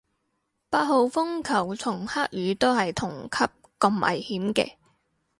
八號風球同黑雨都係同級咁危險嘅